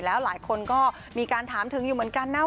แล้วหลายคนก็มีการถามอยู่แม้กัน